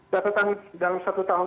saya ke mas nugi dulu bagaimana mas nugi